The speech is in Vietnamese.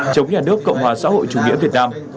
chống nhà nước cộng hòa xã hội chủ nghĩa việt nam